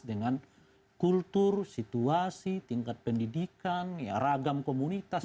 dengan kultur situasi tingkat pendidikan ragam komunitas